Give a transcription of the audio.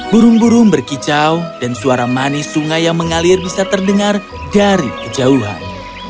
burung burung berkicau dan suara manis sungai yang mengalir bisa terdengar dari kejauhan